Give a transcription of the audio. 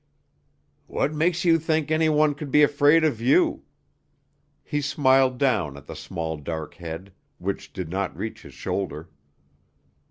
"What makes you think anyone could be afraid of you?" He smiled down at the small dark head which did not reach his shoulder.